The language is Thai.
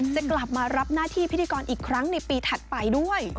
จะกลับมารับหน้าที่พิธีกรอีกครั้งในปีถัดไปด้วย